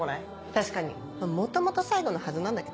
確かに元々最後のはずなんだけどね。